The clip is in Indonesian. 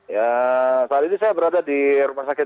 ya saat ini saya berada di rumah sakit